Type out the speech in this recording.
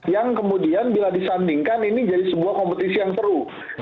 yang kemudian bila disandingkan ini jadi sebuah kompetisi yang seru